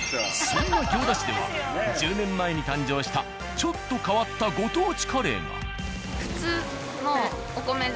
そんな行田市では１０年前に誕生したちょっと変わったご当地カレーが。